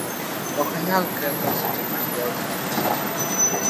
ok anyal kalo seche mag yawo tich machielo